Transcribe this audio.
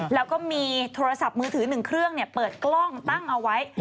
แล้วก็มีโทรศัพท์มือถือ๑เครื่องเปิดกล้องตั้งเอาไว้